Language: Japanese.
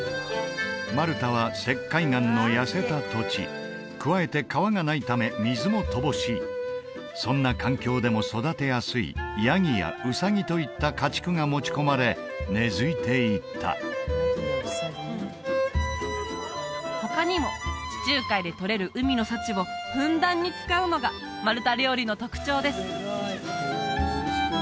マルタは石灰岩の痩せた土地加えて川がないため水も乏しいそんな環境でも育てやすいヤギやウサギといった家畜が持ち込まれ根付いていった他にも地中海でとれる海の幸をふんだんに使うのがマルタ料理の特徴です